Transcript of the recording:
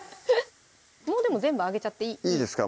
もうでも全部あげちゃっていいですか？